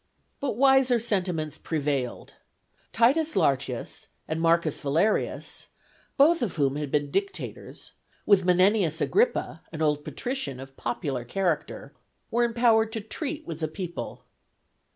But wiser sentiments prevailed. T. Lartius, and M. Valerius, both of whom had been dictators, with Menenius Agrippa, an old patrician of popular character, were empowered to treat with the people.